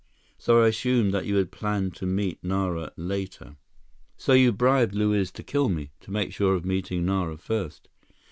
So I assumed that you planned to meet Nara later." "So you bribed Luiz to kill me, to make sure of meeting Nara first."